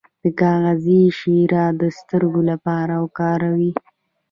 د ګازرې شیره د سترګو لپاره وکاروئ